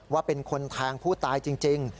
ว่าเป็นคนแทงผู้ตายจริง